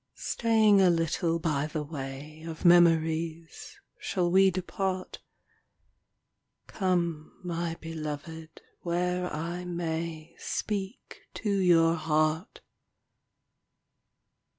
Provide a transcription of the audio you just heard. Staying a little by the way Of memories shall we depart. Come, my beloved, where I may Speak to your heart.